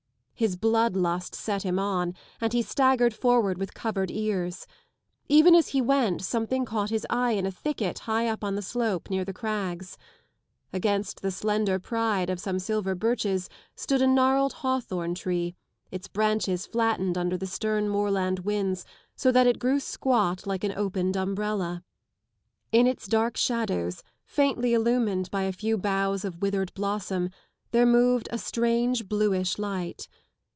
His blood lust set him on and he staggered forward with covered ears. Even as he went something caught his eye in a thicket high up on the slope near the crags. Against the slender pride of some silver birches stood a gnarled hawthorn tree, its branches flattened under the stern moorland winds so that it grew squat like an opened umbrella. In its dark shadows, faintly illumined by a few boughs of withered blossom, there moved a strange bluish light.